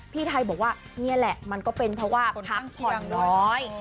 พี่ไทยบอกว่านี่แหละมันก็เป็นเพราะว่าพักผ่อนน้อย